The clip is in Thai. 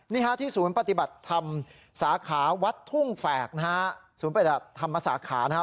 นี่ฮะที่สูงประติบัติทำสาขาวัดทุ่งแฝกนะฮะสูงประติบัติทำมาสาขานะฮะ